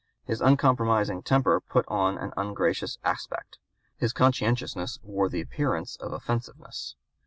His uncompromising temper put on an ungracious aspect. His conscientiousness wore the appearance of offensiveness.